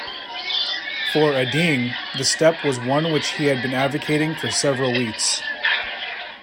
For Adeang, the step was one which he had been advocating for several weeks.